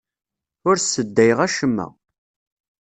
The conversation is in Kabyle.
Ur sseddayeɣ acemma.